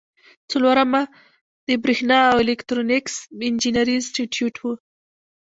څلورمه د بریښنا او الکترونیکس انجینری انسټیټیوټ و.